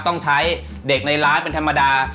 ต้องใช้เด็กในร้านเป็นธรรมดา